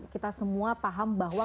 kita semua paham bahwa